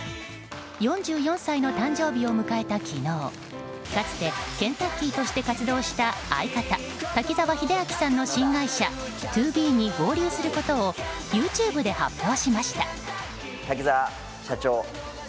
４４歳の誕生日を迎えた昨日かつてＫｅｎ☆Ｔａｃｋｅｙとして活動した相方滝沢秀明さんの新会社ＴＯＢＥに合流することをＹｏｕＴｕｂｅで発表しました。